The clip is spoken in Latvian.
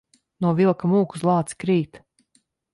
No vilka mūk, uz lāci krīt.